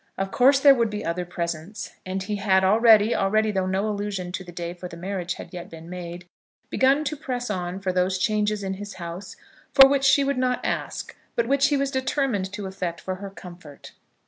Of course, there would be other presents. And he had already, already, though no allusion to the day for the marriage had yet been made, begun to press on for those changes in his house for which she would not ask, but which he was determined to effect for her comfort.